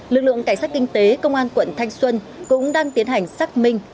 lực lượng cảnh sát kinh tế công an quận thanh xuân cũng đang tiến hành xác minh